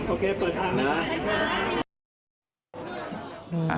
โอเคเปิดทางนะ